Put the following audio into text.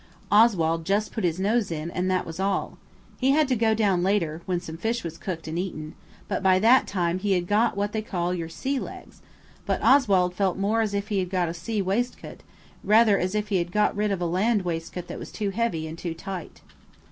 Oswald just put his nose in, and that was all. He had to go down later, when some fish was cooked and eaten, but by that time he had got what they call your sea legs; but Oswald felt more as if he had got a sea waistcoat, rather as if he had got rid of a land waistcoat that was too heavy and too tight.